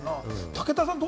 武田さんは？